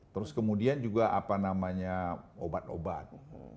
terus kemudian juga apa namanya obat obat